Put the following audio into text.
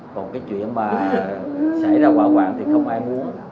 còn cái chuyện mà xảy ra quả quảng thì không ai muốn